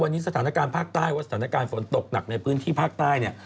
วันนี้สถานการณ์ภาคใต้ว่าสถานการณ์ฝนตกหนักในพื้นที่ภาคใต้เนี่ย